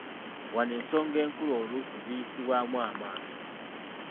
Wano ensonga enkulu oluusi ziyisibwamu amaaso.